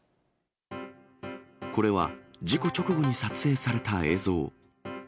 これは、事故直後に撮影された映像。